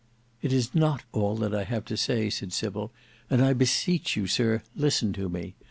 "It is not all that I have to say," said Sybil; "and I beseech you, sir, listen to me.